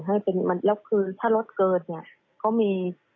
ให้เป็นมันแล้วคือถ้ารถเกิดเนี่ยเขามี